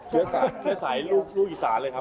เชื้อสายลูกอีสานเลยครับ